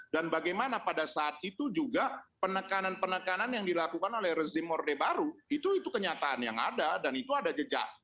dan bagaimana pada saat itu juga penekanan penekanan yang dilakukan oleh rezim orde baru itu kenyataan yang ada dan itu ada jejak